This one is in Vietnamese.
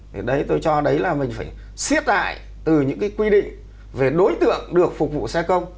thì đấy tôi cho đấy là mình phải siết lại từ những cái quy định về đối tượng được phục vụ xe công